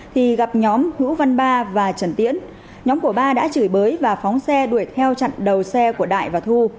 thì gặp nhóm hữu văn ba và trần tiễn nhóm của ba đã chửi bới và phóng xe đuổi theo chặn đầu xe của đại và thu